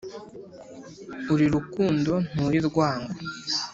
Uri Rukundo nturi Rwango